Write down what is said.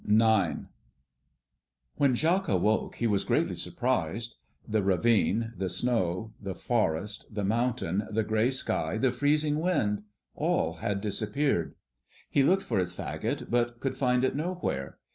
IX. When Jacques awoke he was greatly surprised. The ravine, the snow, the forest, the mountain, the gray sky, the freezing wind, all had disappeared. He looked for his fagot, but could find it nowhere.